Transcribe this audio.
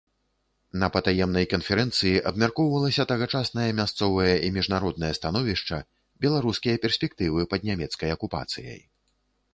На патаемнай канферэнцыі абмяркоўвалася тагачаснае мясцовае і міжнароднае становішча, беларускія перспектывы пад нямецкай акупацыяй.